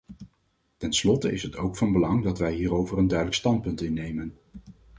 Tenslotte is het ook van belang dat wij hierover een duidelijk standpunt innemen.